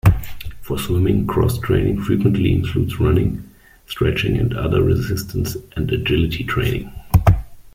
For swimming, cross-training frequently includes running, stretching, and other resistance and agility training.